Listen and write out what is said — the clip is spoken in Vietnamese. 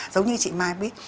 giống như chị mai biết